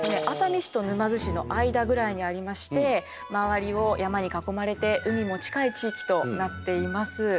熱海市と沼津市の間ぐらいにありまして周りを山に囲まれて海も近い地域となっています。